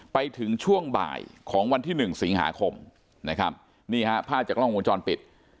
ไปถึงช่วงบ่ายของวันที่๑สิงหาคมนะครับนี่ฮะผ้าจากล่องมูลจรปิด